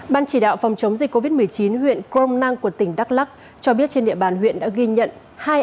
ban chỉ đạo phòng chống dịch covid một mươi chín huyện crom năng của tỉnh đắk lắc cho biết trên địa bàn huyện đã ghi nhận